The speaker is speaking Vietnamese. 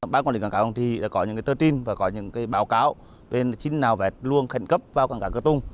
bác quản lý cảng cáo của chị đã có những tơ tin và có những báo cáo về chính nào phải luôn khẩn cấp vào cảng cáo cửa tùng